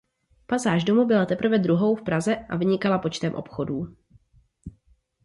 Pasáž domu byla teprve druhou v Praze a vynikala počtem obchodů.